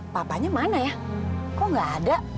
papanya mana ya kok gak ada